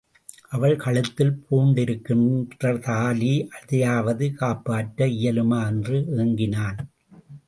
அவள் கழுத்தில் பூண்டிருக்கின்ற தாலி அதையாவது காப்பாற்ற இயலுமா என்று ஏங்கினான்.